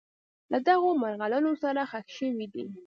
له دغو مرغلرو سره ښخ شوي دي.